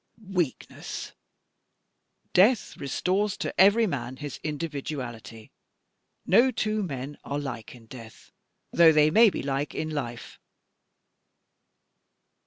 "Weakness! Death restores to every man his individuality. No two men are like in death, though they may be like in life.